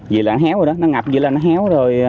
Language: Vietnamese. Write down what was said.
vì là nó héo rồi đó nó ngập vì là nó héo rồi